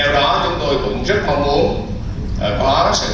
theo đó chúng tôi cũng rất mong muốn có sự tham gia